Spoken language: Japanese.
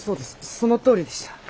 そのとおりでした。